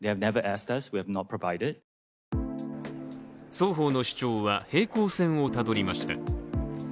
双方の主張は、平行線をたどりました。